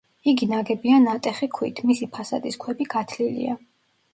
იგი ნაგებია ნატეხი ქვით, მისი ფასადის ქვები გათლილია.